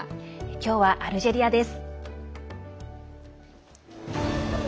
今日はアルジェリアです。